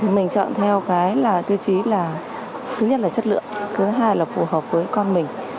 mình chọn theo cái là tiêu chí là thứ nhất là chất lượng thứ hai là phù hợp với con mình